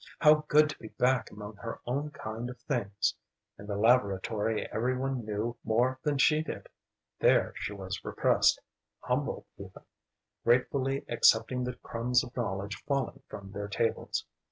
How good to be back among her own kind of things! In the laboratory every one knew more than she did; there she was repressed, humble even, gratefully accepting the crumbs of knowledge falling from their tables.